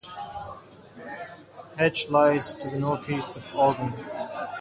Hach lies to the northeast of Auggen.